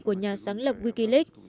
của nhà sáng lập wikileaks